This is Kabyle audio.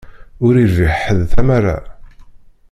Ur irbiḥ ḥedd tamara.